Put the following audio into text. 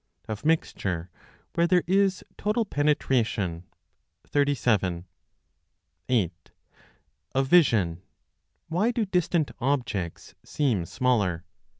Of Mixture, Where there is Total Penetratration, 37. 8. Of Vision. Why do Distant Objects Seem Smaller?